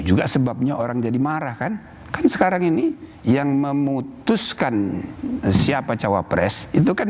juga sebabnya orang jadi marah kan kan sekarang ini yang memutuskan siapa cawapres itu kan